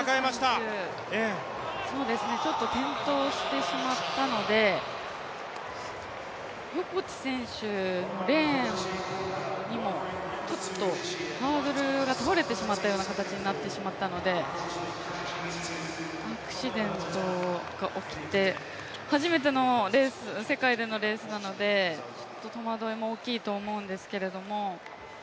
ブロードベル選手、転倒してしまったので横地選手のレーンにもちょっとハードルが倒れてしまったような形になってしまったのでアクシデントが起きて、初めての世界でのレースなので、戸惑いも大きいと思うんですけれども。